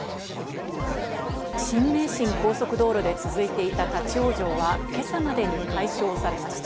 新名神高速道路で続いていた立ち往生は今朝までに解消されました。